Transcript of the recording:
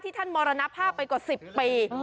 ท่านมรณภาพไปกว่า๑๐ปี